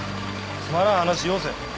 つまらん話よ